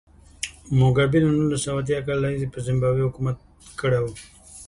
موګابي له نولس سوه اتیا کال راهیسې پر زیمبابوې حکومت کړی و.